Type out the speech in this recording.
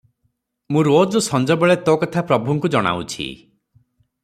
ମୁଁ ରୋଜ ସଞ୍ଜବେଳେ ତୋ କଥା ପ୍ରଭୁଙ୍କୁ ଜଣାଉଛି ।